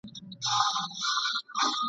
مځکه هغه سوزي چي اور پر بل وي !.